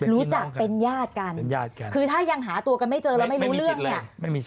รู้จักเป็นญาติกันคือถ้ายังหาตัวกันไม่เจอแล้วไม่รู้เรื่องเนี่ย